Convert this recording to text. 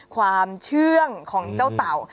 ความเชื่องของเจ้าเต่า